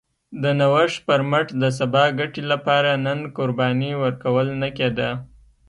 د نوښت پر مټ د سبا ګټې لپاره نن قرباني ورکول نه کېده